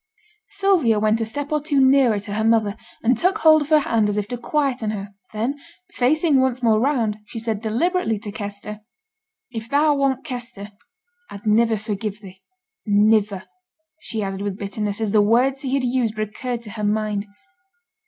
Sylvia went a step or two nearer to her mother, and took hold of her hand as if to quieten her; then facing once more round, she said deliberately to Kester, 'If thou wasn't Kester, I'd niver forgive thee. Niver,' she added, with bitterness, as the words he had used recurred to her mind.